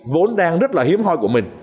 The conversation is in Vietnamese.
vốn đang rất là hiếm hoi của mình